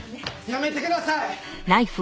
やめてください！